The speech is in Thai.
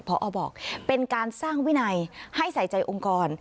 พอบอกเป็นการสร้างวินัยให้ใส่ใจองค์กร